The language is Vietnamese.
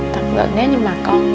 thật gần nếu như mà con